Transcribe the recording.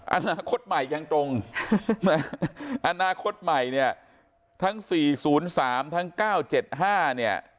อนาคตใหม่ยังตรงอนาคตใหม่เนี่ยทั้ง๔๐๓ทั้ง๙๗๕เนี่ย